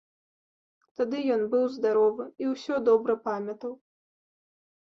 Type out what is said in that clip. Тады ён быў здаровы і ўсё добра памятаў.